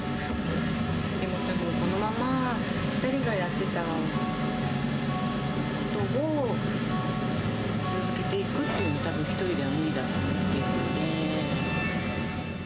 でもたぶん、このまま２人がやっていたことを続けていくっていうのは、たぶん１人では無理だと思っているので。